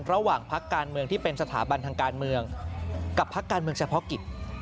พักการเมืองที่เป็นสถาบันทางการเมืองกับพักการเมืองเฉพาะกิจ